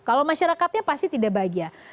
kalau masyarakatnya pasti tidak bahagia